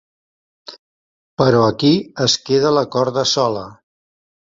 Però aquí es queda la corda sola.